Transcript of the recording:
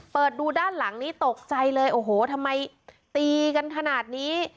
เปิดดูด้านหลังนี้ตกใจเลยโอ้โหทำไมตีกันขนาดนี้